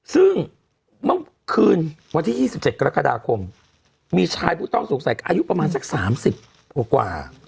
ซึ่งเมื่อคืนวันที่๒๗กรกฎาคมมีชายผู้ต้องสงสัยอายุประมาณสัก๓๐กว่า